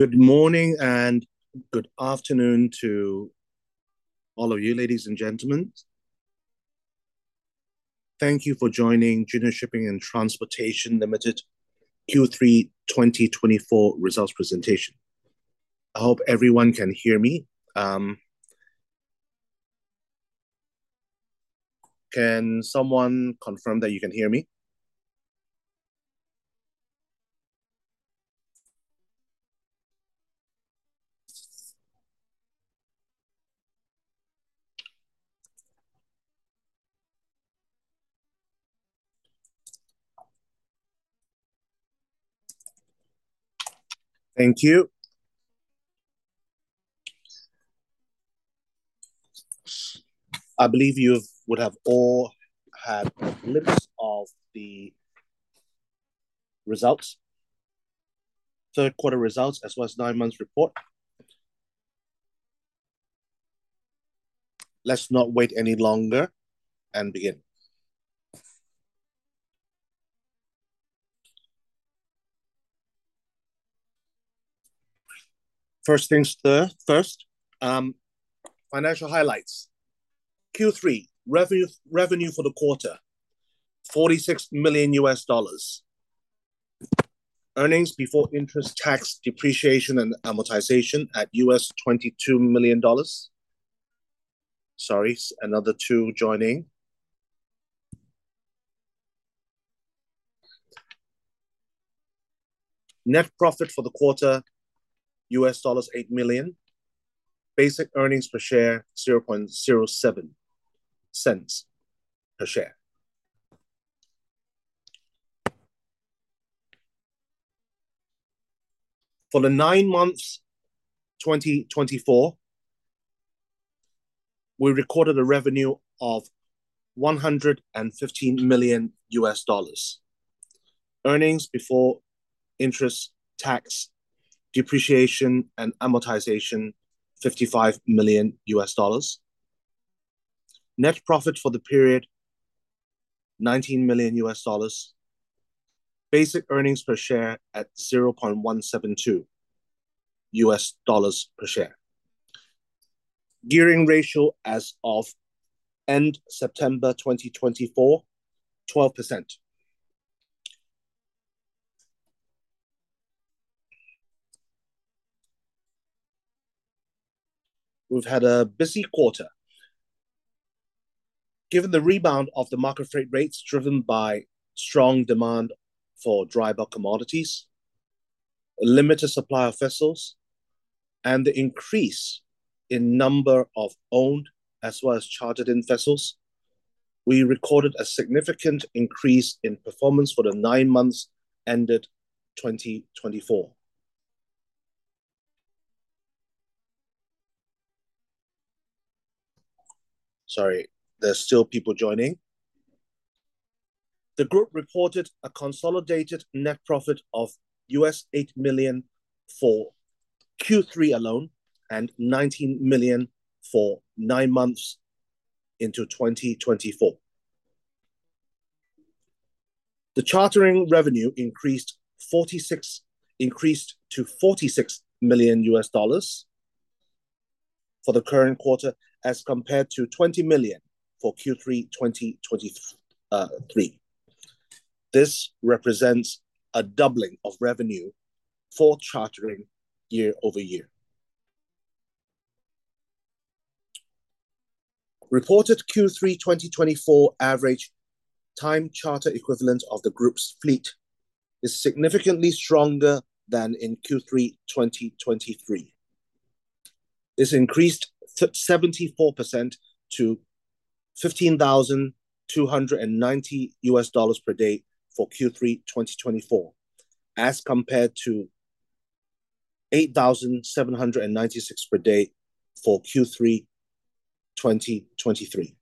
Good morning and good afternoon to all of you, ladies and gentlemen. Thank you for joining Jinhui Shipping and Transportation Limited Q3 2024 results presentation. I hope everyone can hear me. Can someone confirm that you can hear me? Thank you. I believe you would have all had a glimpse of the results, third quarter results, as well as nine-month report. Let's not wait any longer and begin. First things first, financial highlights. Q3 revenue for the quarter: $46 million. Earnings before interest, taxes, depreciation, and amortization at $22 million. Sorry, another two joining. Net profit for the quarter: $8 million. Basic earnings per share: $0.07 per share. For the nine months 2024, we recorded a revenue of $115 million. Earnings before interest, taxes, depreciation, and amortization: $55 million. Net profit for the period: $19 million. Basic earnings per share at $0.172 per share. Gearing ratio as of end September 2024: 12%. We've had a busy quarter. Given the rebound of the market rates driven by strong demand for dry bulk commodities, limited supply of vessels, and the increase in number of owned as well as chartered-in vessels, we recorded a significant increase in performance for the nine months ended 2024. Sorry, there are still people joining. The group reported a consolidated net profit of $8 million for Q3 alone and $19 million for nine months into 2024. The chartering revenue increased to $46 million for the current quarter as compared to $20 million for Q3 2023. This represents a doubling of revenue for chartering year over year. Reported Q3 2024 average Time Charter Equivalent of the group's fleet is significantly stronger than in Q3 2023. This increased 74% to $15,290 per day for Q3 2024, as compared to $8,796 per day for Q3 2023.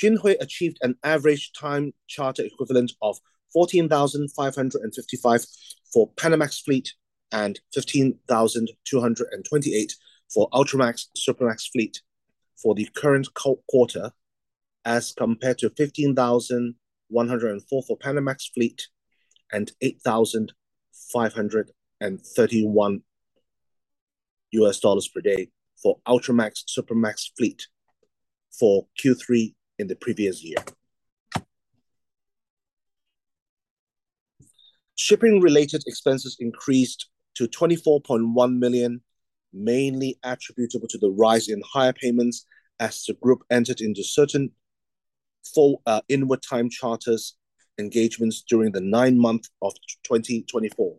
Jinhui achieved an average Time Charter Equivalent of $14,555 for Panamax Fleet and $15,228 for Ultramax/Supramax Fleet for the current quarter, as compared to $15,104 for Panamax Fleet and $8,531 per day for Ultramax/Supramax Fleet for Q3 in the previous year. Shipping-related expenses increased to $24.1 million, mainly attributable to the rise in hire payments as the group entered into certain inward-time charter engagements during the nine months of 2024.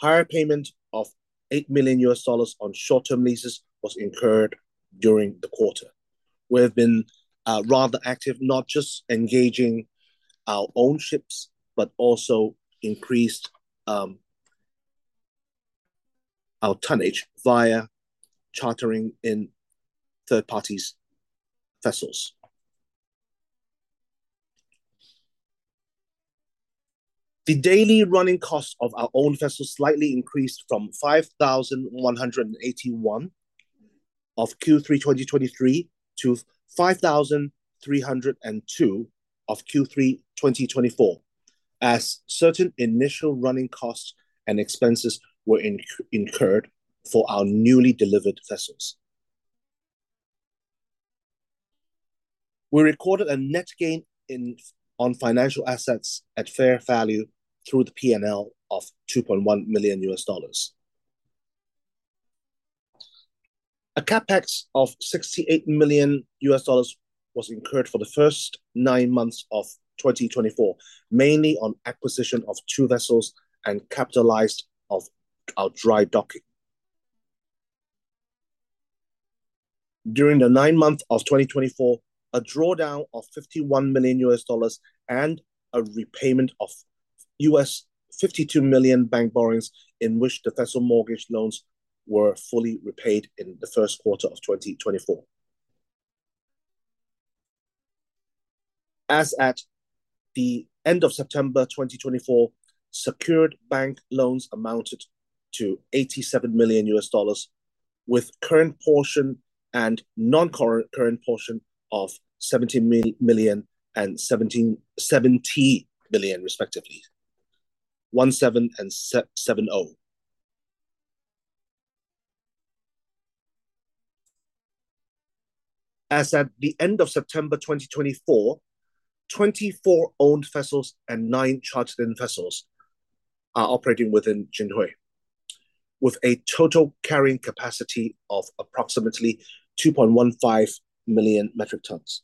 Hire payment of $8 million on short-term leases was incurred during the quarter. We have been rather active, not just engaging our own ships but also increased our tonnage via chartering in third-party vessels. The daily running cost of our own vessels slightly increased from $5,181 of Q3 2023 to $5,302 of Q3 2024, as certain initial running costs and expenses were incurred for our newly delivered vessels. We recorded a net gain on financial assets at fair value through the P&L of $2.1 million. A CapEx of $68 million was incurred for the first nine months of 2024, mainly on acquisition of two vessels and capitalized on our dry docking. During the nine months of 2024, a drawdown of $51 million and a repayment of $52 million bank borrowings, in which the vessel mortgage loans were fully repaid in the first quarter of 2024. As at the end of September 2024, secured bank loans amounted to $87 million, with current portion and non-current portion of $17 million and $70 million, respectively. As at the end of September 2024, 24 owned vessels and nine chartered-in vessels are operating within Jinhui, with a total carrying capacity of approximately 2.15 million metric tons.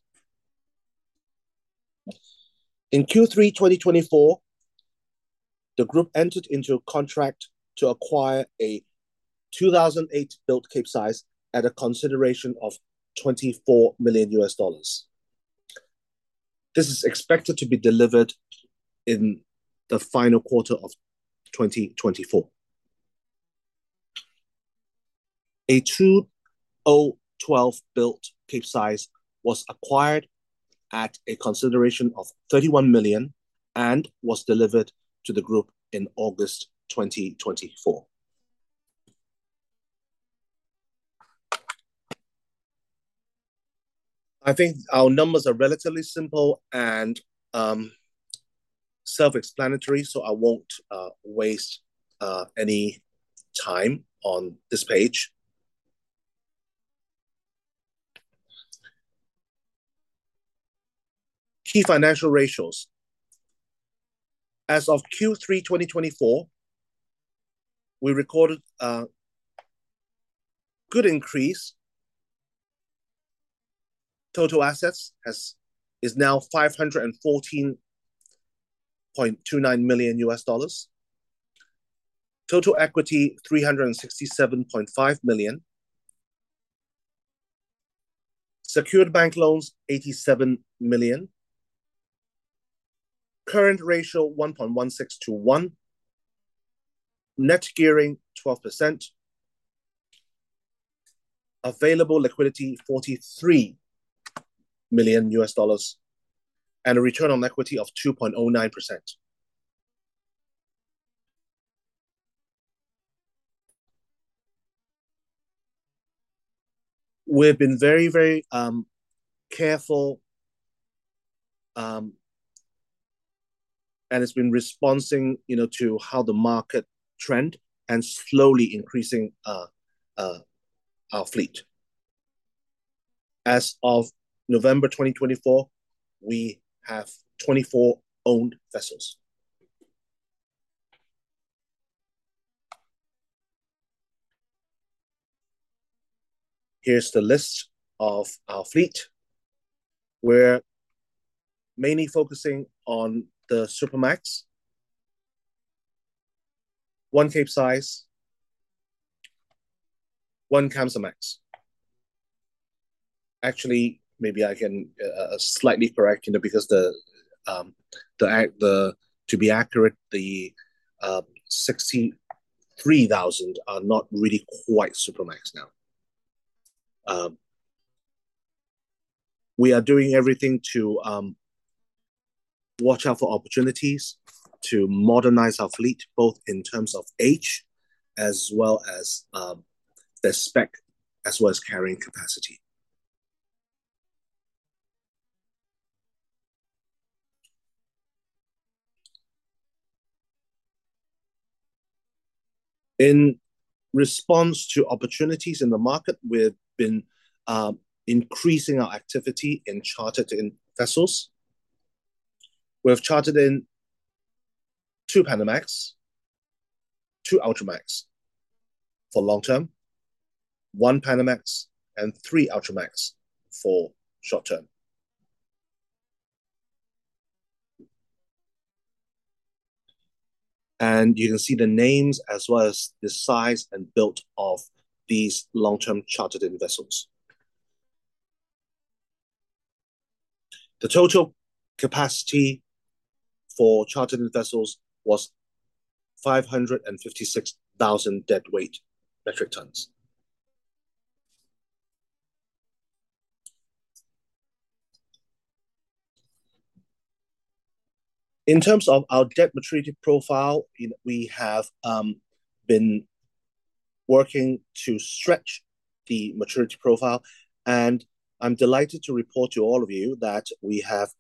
In Q3 2024, the group entered into a contract to acquire a 2008-built Capesize at a consideration of $24 million. This is expected to be delivered in the final quarter of 2024. A 2012-built Capesize was acquired at a consideration of $31 million and was delivered to the group in August 2024. I think our numbers are relatively simple and self-explanatory, so I won't waste any time on this page. Key financial ratios. As of Q3 2024, we recorded a good increase. Total assets is now $514.29 million, total equity $367.5 million, secured bank loans $87 million, current ratio 1.16 to 1, net gearing 12%, available liquidity $43 million, and a return on equity of 2.09%. We've been very, very careful, and it's been responsive to how the market trends and slowly increasing our fleet. As of November 2024, we have 24 owned vessels. Here's the list of our fleet. We're mainly focusing on the Supramax, one Capesize, one Kamsarmax. Actually, maybe I can slightly correct because to be accurate, the 63,000 are not really quite Supramax now. We are doing everything to watch out for opportunities, to modernize our fleet, both in terms of age as well as the spec, as well as carrying capacity. In response to opportunities in the market, we've been increasing our activity in chartered-in vessels. We have chartered-in two Panamax, two Ultramax for long-term, one Panamax, and three Ultramax for short-term, and you can see the names as well as the size and build of these long-term chartered-in vessels. The total capacity for chartered-in vessels was 556,000 deadweight metric tons. In terms of our debt maturity profile, we have been working to stretch the maturity profile, and I'm delighted to report to all of you that we have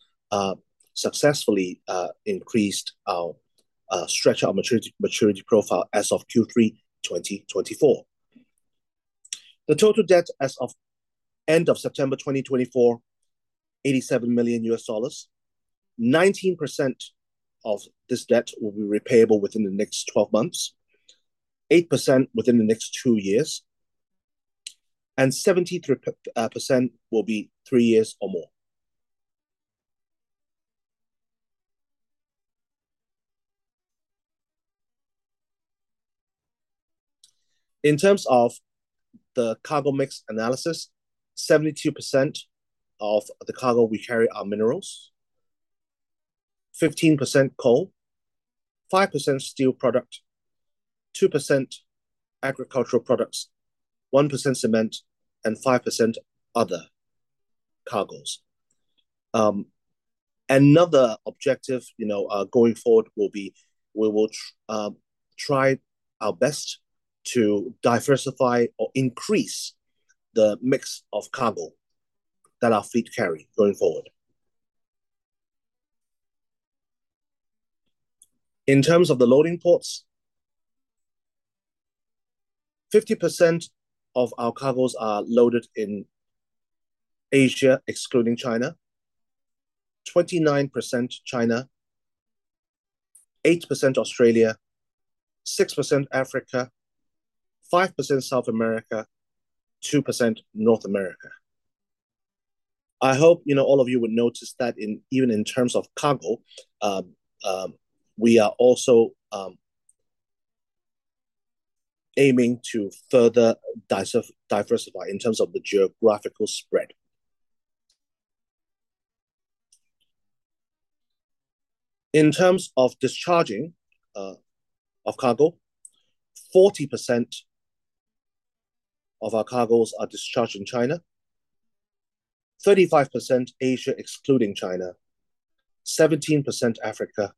successfully increased our stretch of maturity profile as of Q3 2024. The total debt as of end of September 2024 is $87 million. 19% of this debt will be repayable within the next 12 months, 8% within the next two years, and 73% will be three years or more. In terms of the cargo mix analysis, 72% of the cargo we carry are minerals, 15% coal, 5% steel product, 2% agricultural products, 1% cement, and 5% other cargoes. Another objective going forward will be we will try our best to diversify or increase the mix of cargo that our fleet carries going forward. In terms of the loading ports, 50% of our cargoes are loaded in Asia, excluding China, 29% China, 8% Australia, 6% Africa, 5% South America, 2% North America. I hope all of you would notice that even in terms of cargo, we are also aiming to further diversify in terms of the geographical spread. In terms of discharging of cargo, 40% of our cargoes are discharged in China, 35% Asia, excluding China, 17% Africa,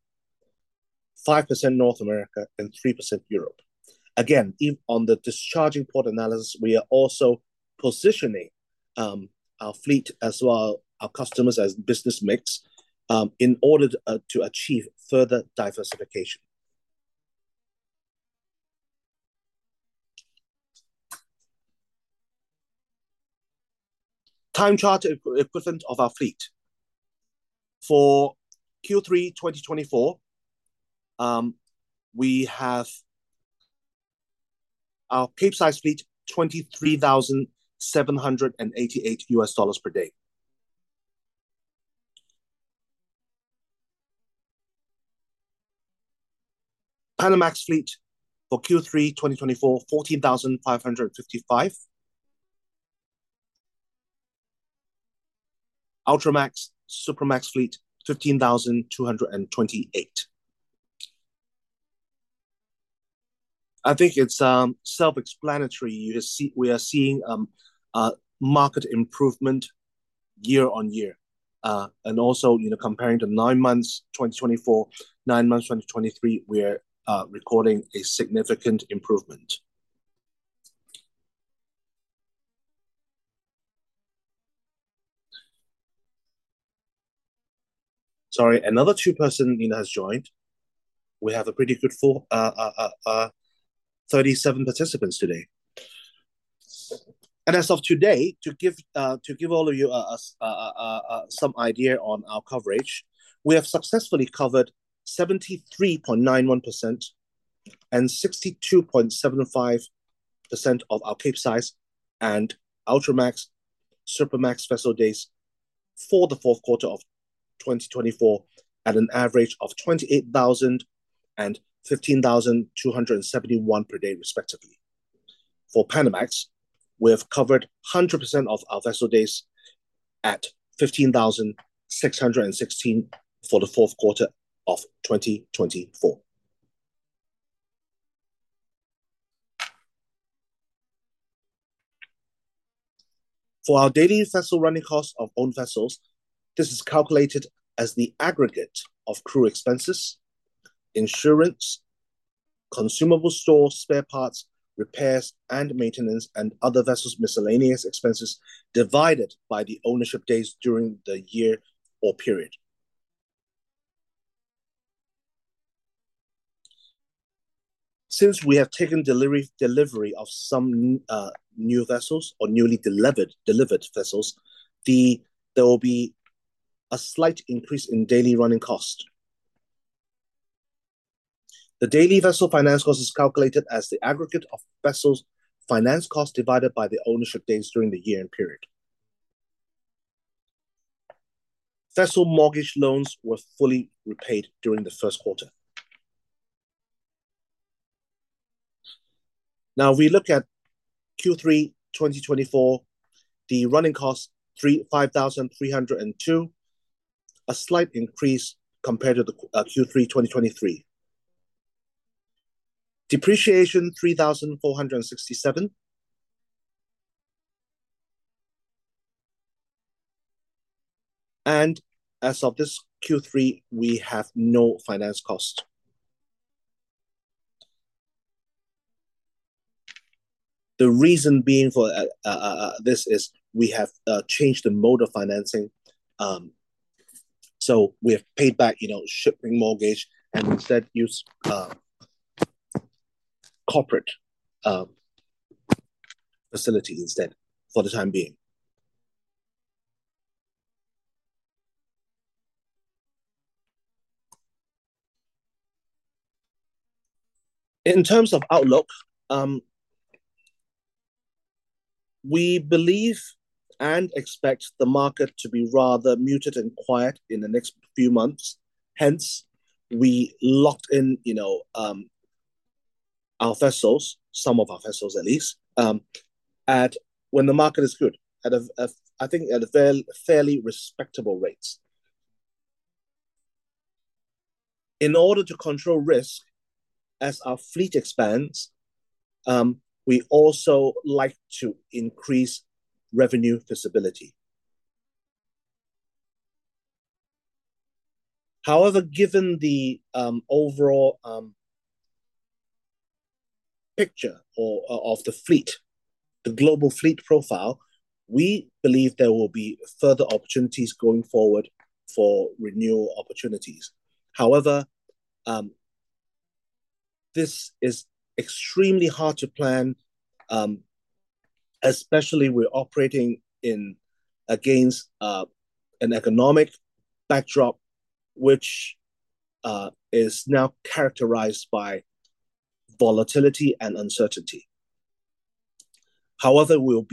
5% North America, and 3% Europe. Again, on the discharging port analysis, we are also positioning our fleet as well as our customers as a business mix in order to achieve further diversification. Time Charter Equivalent of our fleet. For Q3 2024, we have our Capesize Fleet $23,788 per day. Panamax Fleet for Q3 2024, $14,555. Ultramax, Supramax Fleet, $15,228. I think it's self-explanatory. We are seeing market improvement year on year. Also, comparing the nine months 2024, nine months 2023, we are recording a significant improvement. Sorry, another two persons have joined. We have a pretty good 37 participants today. As of today, to give all of you some idea on our coverage, we have successfully covered 73.91% and 62.75% of our Capesize and Ultramax, Supramax vessel days for the fourth quarter of 2024 at an average of $28,000 and $15,271 per day, respectively. For Panamax, we have covered 100% of our vessel days at $15,616 for the fourth quarter of 2024. For our daily vessel running cost of owned vessels, this is calculated as the aggregate of crew expenses, insurance, consumable stores, spare parts, repairs and maintenance, and other vessels' miscellaneous expenses divided by the ownership days during the year or period. Since we have taken delivery of some new vessels or newly delivered vessels, there will be a slight increase in daily running cost. The daily vessel finance cost is calculated as the aggregate of vessels' finance cost divided by the ownership days during the year and period. Vessel mortgage loans were fully repaid during the first quarter. Now, if we look at Q3 2024, the running cost is $5,302, a slight increase compared to Q3 2023. Depreciation is $3,467. And as of this Q3, we have no finance cost. The reason being for this is we have changed the mode of financing. So we have paid back shipping mortgage and instead used corporate facilities instead for the time being. In terms of outlook, we believe and expect the market to be rather muted and quiet in the next few months. Hence, we locked in our vessels, some of our vessels at least, at when the market is good, I think at fairly respectable rates. In order to control risk as our fleet expands, we also like to increase revenue visibility. However, given the overall picture of the fleet, the global fleet profile, we believe there will be further opportunities going forward for renewal opportunities. However, this is extremely hard to plan, especially we're operating against an economic backdrop which is now characterized by volatility and uncertainty. However, we'll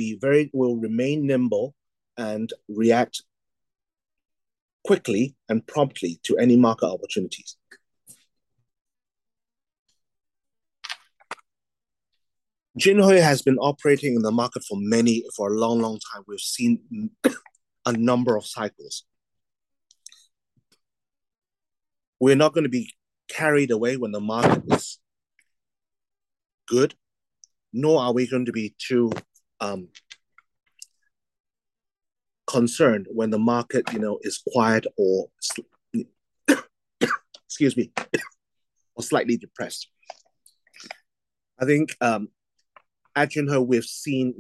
remain nimble and react quickly and promptly to any market opportunities. Jinhui has been operating in the market for a long, long time. We've seen a number of cycles. We're not going to be carried away when the market is good, nor are we going to be too concerned when the market is quiet or slightly depressed. I think at Jinhui, we've seen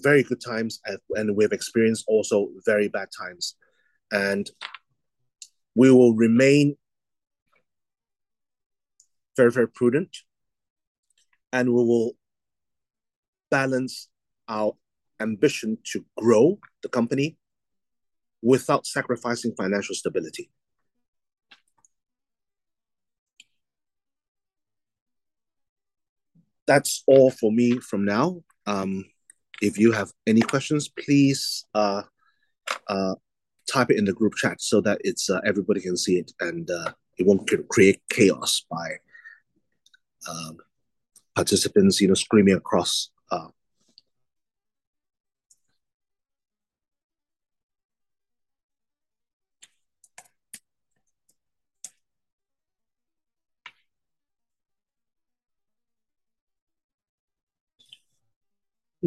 very good times, and we've experienced also very bad times, and we will remain very, very prudent, and we will balance our ambition to grow the company without sacrificing financial stability. That's all for me from now. If you have any questions, please type it in the group chat so that everybody can see it and it won't create chaos by participants screaming across.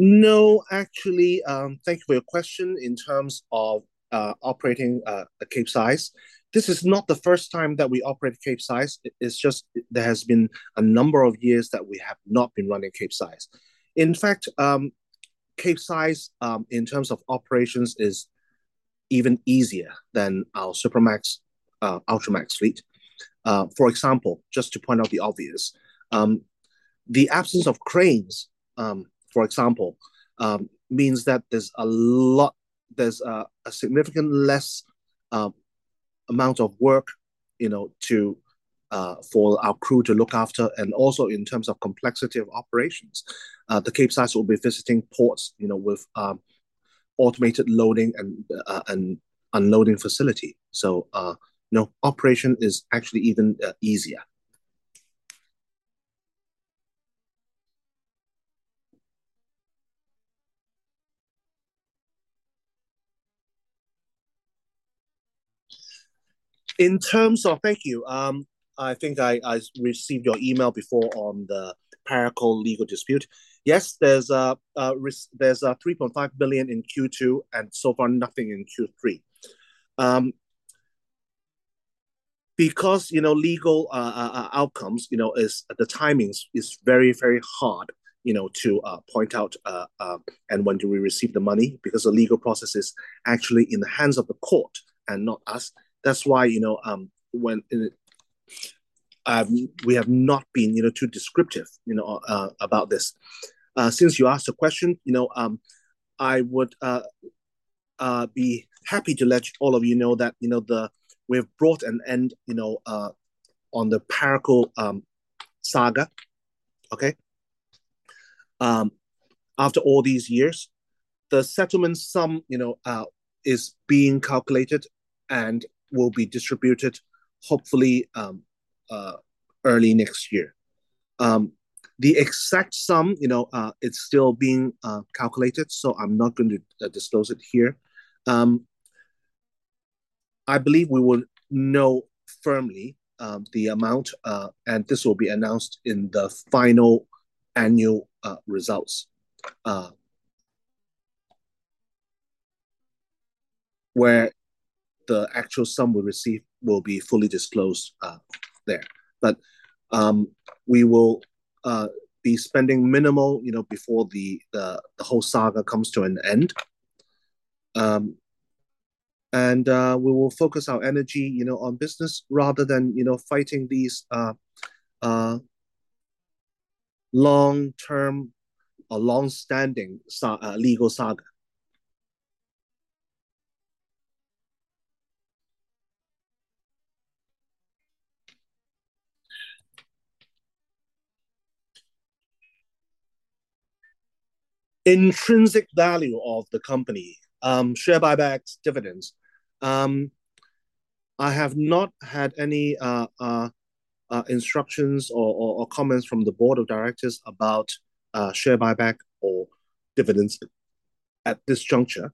No, actually, thank you for your question. In terms of operating a Capesize, this is not the first time that we operate a Capesize. It's just there has been a number of years that we have not been running Capesize. In fact, Capesize in terms of operations is even easier than our Supramax, Ultramax Fleet. For example, just to point out the obvious, the absence of cranes, for example, means that there's a significantly less amount of work for our crew to look after. And also, in terms of complexity of operations, the Capesize will be visiting ports with automated loading and unloading facility. So operation is actually even easier. In terms of thank you. I think I received your email before on the Parakou legal dispute. Yes, there's $3.5 billion in Q2, and so far nothing in Q3. Because legal outcomes, the timing is very, very hard to point out and when do we receive the money because the legal process is actually in the hands of the court and not us. That's why we have not been too descriptive about this. Since you asked the question, I would be happy to let all of you know that we have brought an end on the Parakou saga, okay? After all these years, the settlement sum is being calculated and will be distributed hopefully early next year. The exact sum, it's still being calculated, so I'm not going to disclose it here. I believe we will know firmly the amount, and this will be announced in the final annual results where the actual sum we receive will be fully disclosed there. But we will be spending minimal before the whole saga comes to an end, and we will focus our energy on business rather than fighting these long-term or long-standing legal saga. Intrinsic value of the company, share buyback, dividends. I have not had any instructions or comments from the board of directors about share buyback or dividends at this juncture.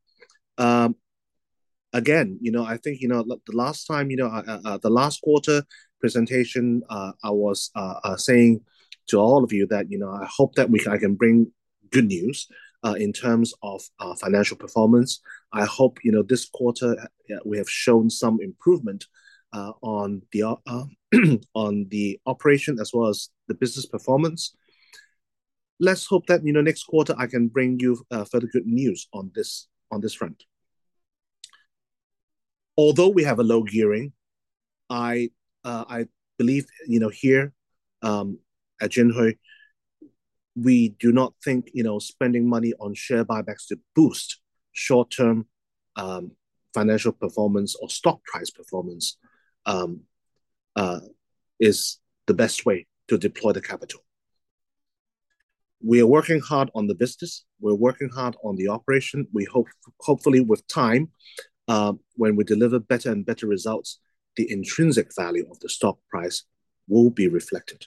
Again, I think the last time, the last quarter presentation, I was saying to all of you that I hope that I can bring good news in terms of financial performance. I hope this quarter we have shown some improvement on the operation as well as the business performance. Let's hope that next quarter I can bring you further good news on this front. Although we have a low gearing, I believe here at Jinhui, we do not think spending money on share buybacks to boost short-term financial performance or stock price performance is the best way to deploy the capital. We are working hard on the business. We're working hard on the operation. We hopefully with time, when we deliver better and better results, the intrinsic value of the stock price will be reflected.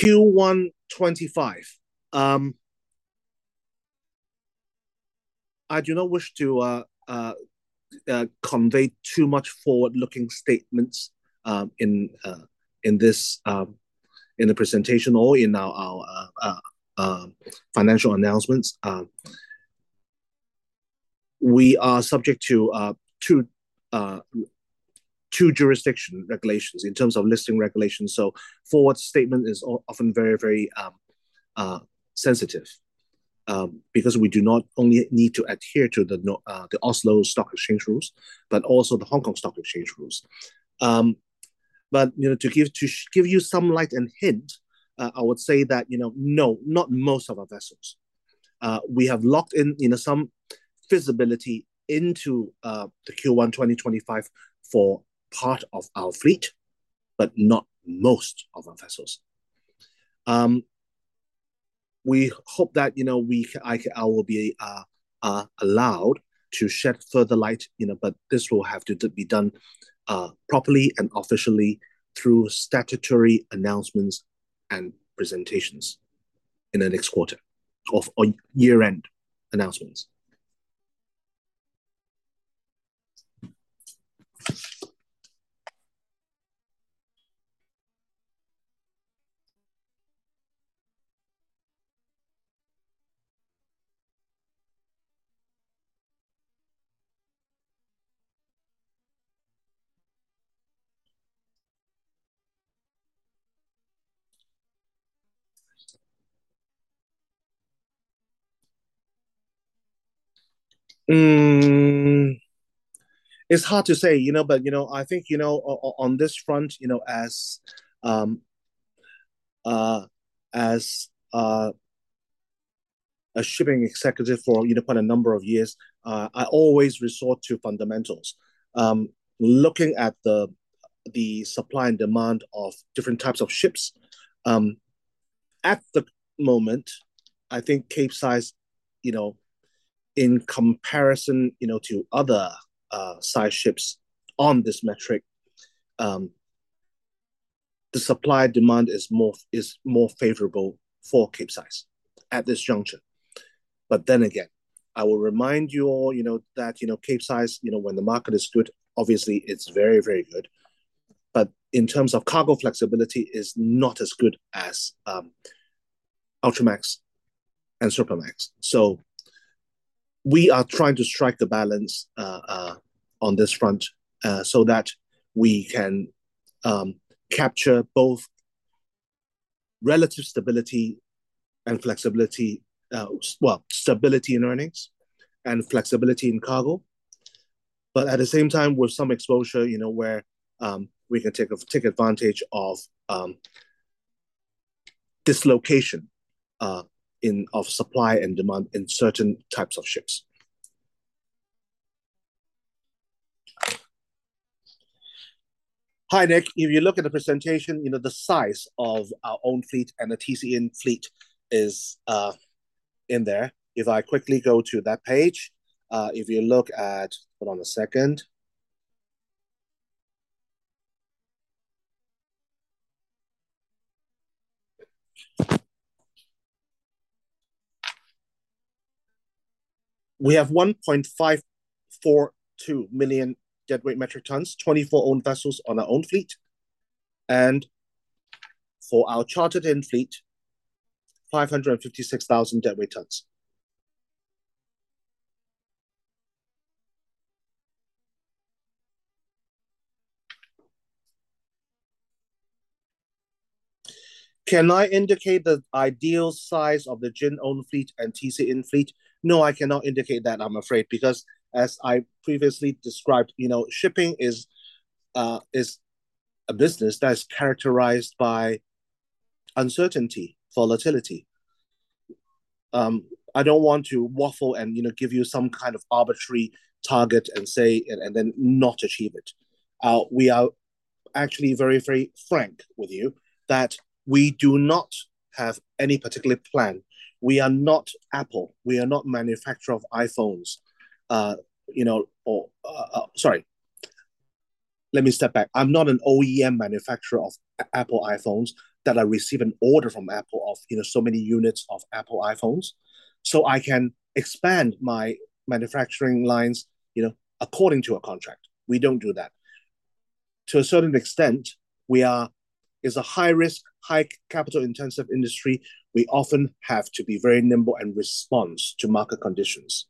Q1 2025. I do not wish to convey too much forward-looking statements in the presentation or in our financial announcements. We are subject to two jurisdiction regulations in terms of listing regulations. So forward statement is often very, very sensitive because we do not only need to adhere to the Oslo Stock Exchange rules, but also the Hong Kong Stock Exchange rules. But to give you some light and hint, I would say that no, not most of our vessels. We have locked in some visibility into the Q1 2025 for part of our fleet, but not most of our vessels. We hope that I will be allowed to shed further light, but this will have to be done properly and officially through statutory announcements and presentations in the next quarter or year-end announcements. It's hard to say, but I think on this front, as a shipping executive for quite a number of years, I always resort to fundamentals. Looking at the supply and demand of different types of ships, at the moment, I think Capesize, in comparison to other size ships on this metric, the supply demand is more favorable for Capesize at this juncture. But then again, I will remind you all that Capesize, when the market is good, obviously it's very, very good. But in terms of cargo flexibility, it is not as good as Ultramax and Supramax. So we are trying to strike the balance on this front so that we can capture both relative stability and flexibility, well, stability in earnings and flexibility in cargo, but at the same time with some exposure where we can take advantage of dislocation of supply and demand in certain types of ships. Hi, Nick. If you look at the presentation, the size of our own fleet and the TC-in fleet is in there. If I quickly go to that page, if you look at hold on a second. We have 1.542 million deadweight metric tons, 24 owned vessels on our own fleet, and for our chartered-in fleet, 556,000 deadweight tons. Can I indicate the ideal size of the Jinhui owned fleet and TC-in fleet? No, I cannot indicate that, I'm afraid, because as I previously described, shipping is a business that is characterized by uncertainty, volatility. I don't want to waffle and give you some kind of arbitrary target and say and then not achieve it. We are actually very, very frank with you that we do not have any particular plan. We are not Apple. We are not a manufacturer of iPhones. Sorry. Let me step back. I'm not an OEM manufacturer of Apple iPhones that I receive an order from Apple of so many units of Apple iPhones. So I can expand my manufacturing lines according to a contract. We don't do that. To a certain extent, we are. It is a high-risk, high-capital-intensive industry. We often have to be very nimble and respond to market conditions.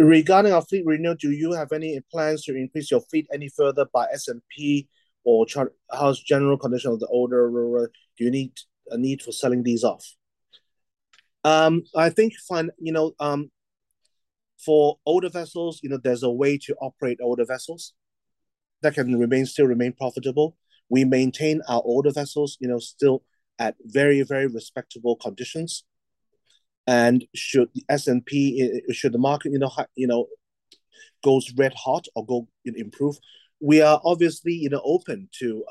Regarding our fleet renewal, do you have any plans to increase your fleet any further by S&P or how's the general condition of the older vessels? Do you have a need for selling these off? I think for older vessels, there's a way to operate older vessels that can still remain profitable. We maintain our older vessels still at very, very respectable conditions, and should the market goes red hot or go improve, we are obviously open to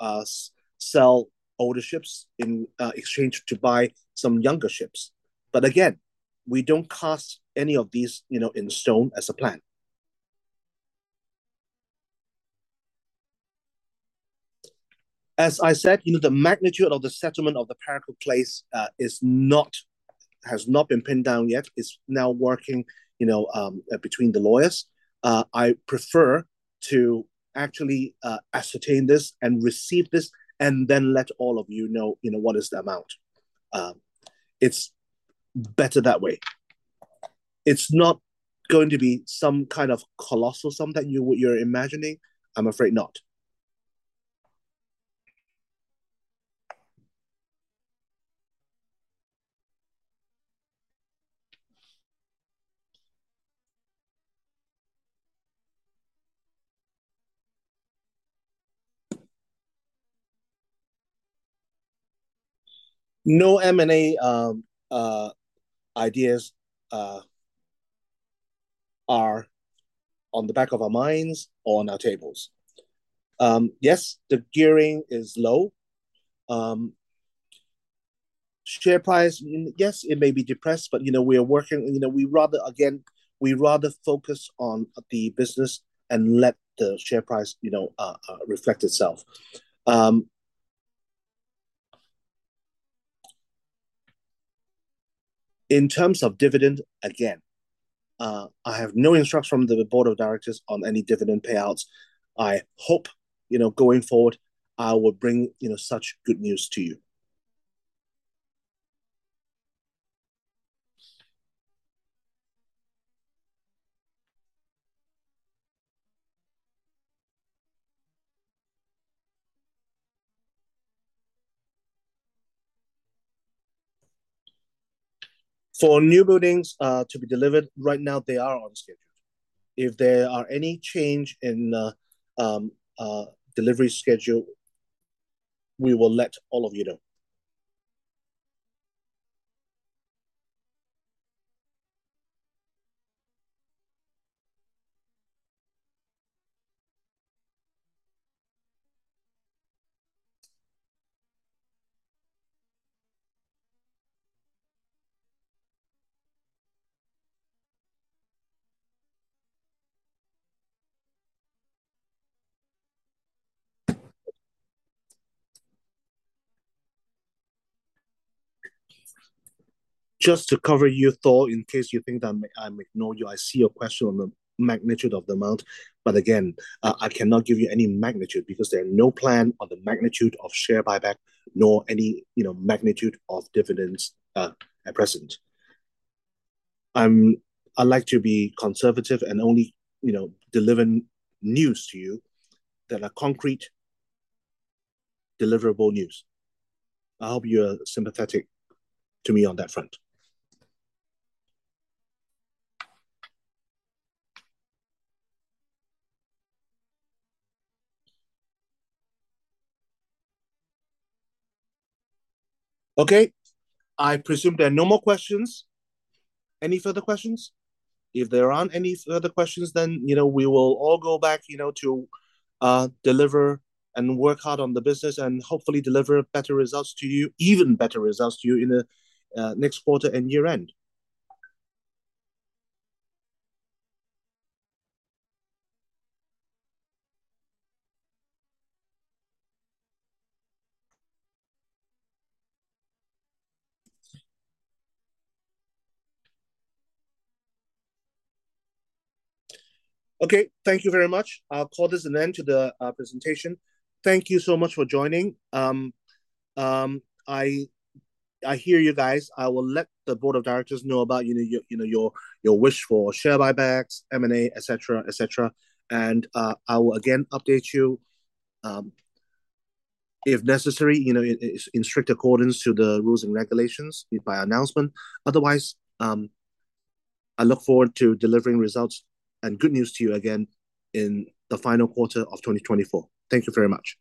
sell older ships in exchange to buy some younger ships. But again, we don't cast any of these in stone as a plan. As I said, the magnitude of the settlement of the Parakou case has not been pinned down yet. It's now working between the lawyers. I prefer to actually ascertain this and receive this and then let all of you know what is the amount. It's better that way. It's not going to be some kind of colossal sum that you're imagining. I'm afraid not. No M&A ideas are on the back of our minds or on our tables. Yes, the gearing is low. Share price, yes, it may be depressed, but we are working. Again, we rather focus on the business and let the share price reflect itself. In terms of dividend, again, I have no instructions from the board of directors on any dividend payouts. I hope going forward, I will bring such good news to you. For new buildings to be delivered, right now they are on schedule. If there are any change in delivery schedule, we will let all of you know. Just to cover your thought in case you think that I ignore you, I see your question on the magnitude of the amount. But again, I cannot give you any magnitude because there is no plan on the magnitude of share buyback nor any magnitude of dividends at present. I'd like to be conservative and only deliver news to you that are concrete, deliverable news. I hope you are sympathetic to me on that front. Okay. I presume there are no more questions. Any further questions? If there aren't any further questions, then we will all go back to deliver and work hard on the business and hopefully deliver better results to you, even better results to you in the next quarter and year-end. Okay. Thank you very much. I'll call this an end to the presentation. Thank you so much for joining. I hear you guys. I will let the board of directors know about your wish for share buybacks, M&A, etc., etc., and I will again update you if necessary in strict accordance to the rules and regulations by announcement. Otherwise, I look forward to delivering results and good news to you again in the final quarter of 2024. Thank you very much.